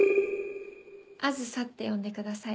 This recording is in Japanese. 梓って呼んでください